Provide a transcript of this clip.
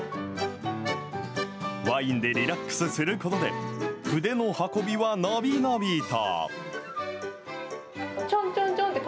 ワインでリラックスすることで、筆の運びは伸び伸びと。